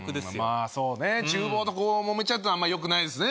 まあそうねちゅう房とこうもめちゃうとあんまよくないですね